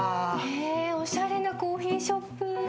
おしゃれなコーヒーショップ。